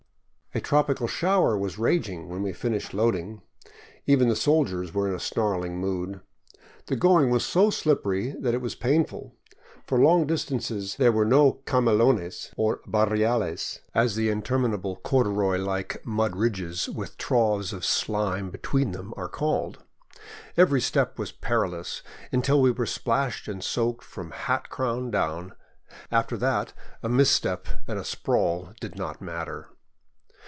A tropical shower was raging when we finished loading. Even the soldiers were in a snarling mood. The going was so slippery that it was painful. For long distances there were camelones or harriales, as the interminable corduroy like mud ridges with troughs of slime be tween them are called. Every step was perilous, until we were splashed and soaked from hat crown down; after that a misstep and a sprawl did not matter.